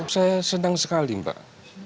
saya senang sekali mbak